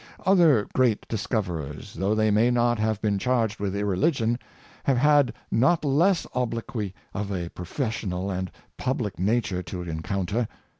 Other great discoverers, though they may not have been charged with irreligion, have had not less obloquy of a professional and public nature to encounter.